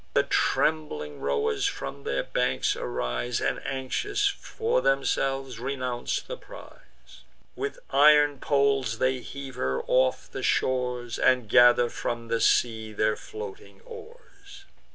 The trembling rowers from their banks arise, And, anxious for themselves, renounce the prize. With iron poles they heave her off the shores, And gather from the sea their floating oars.